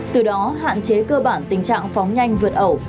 từ đó hạn chế cơ bản tình trạng phóng nhanh vượt ẩu